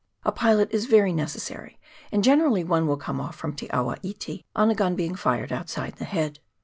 A pilot is very necessary, and generally one will come off from Te awa iti on a gun being fired outside the head.